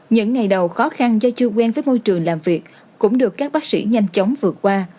những ngày đầu khó khăn do chưa quen với môi trường làm việc cũng được các bác sĩ nhanh chóng vượt qua